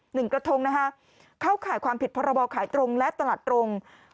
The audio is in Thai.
หนึ่งกระทงนะคะเข้าข่ายความผิดพรบขายตรงและตลาดตรง